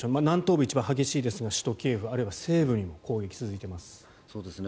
南東部が一番激しいですが首都キエフあるいは西部にも攻撃が続いています。